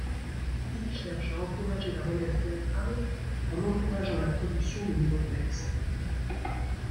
Il cherche à encourager la relève théâtrale en encourageant la production de nouveaux textes.